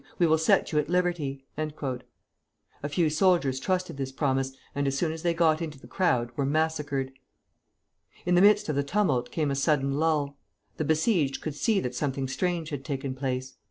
We will set you at liberty!" A few soldiers trusted this promise, and as soon as they got into the crowd were massacred. In the midst of the tumult came a sudden lull; the besieged could see that something strange had taken place.